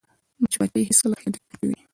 مچمچۍ هیڅکله خیانت نه کوي